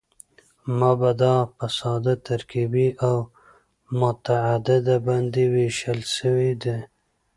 مبتداء په ساده، ترکیبي او متعدده باندي وېشل سوې ده.